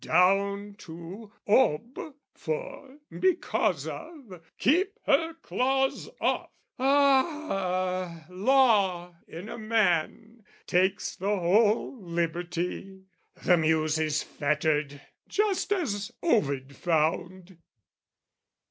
down to Ob, for, because of, keep her claws off! Ah, Law in a man takes the whole liberty! The muse is fettered, just as Ovid found!